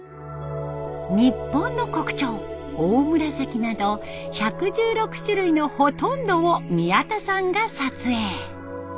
日本の国蝶オオムラサキなど１１６種類のほとんどを宮田さんが撮影。